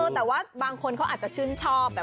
แต่ว่าบางคนเขาอาจจะชื่นชอบ